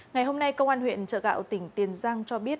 ngày hôm nay công an huyện trợ gạo tỉnh tiền giang cho biết